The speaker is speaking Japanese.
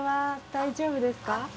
大丈夫です。